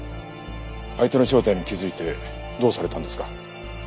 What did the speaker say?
相手の正体に気づいてどうされたんですか？